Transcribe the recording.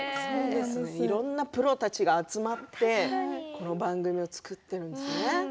いろんなプロたちが集まってこの番組を作っているんですね。